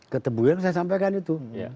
ke tebu yang saya sampaikan itu